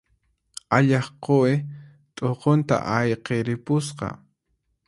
Allaq quwi t'uqunta ayqiripusqa.